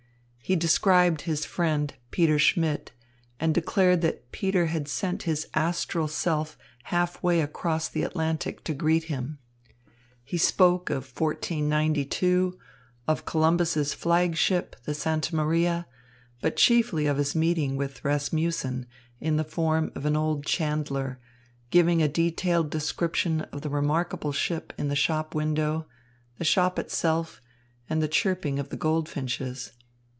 He described his friend, Peter Schmidt, and declared that Peter had sent his astral self half way across the Atlantic to greet him. He spoke of 1492, of Columbus's flag ship, the Santa Maria, but chiefly of his meeting with Rasmussen in the form of an old chandler, giving a detailed description of the remarkable ship in the shop window, the shop itself, and the chirping of the goldfinches.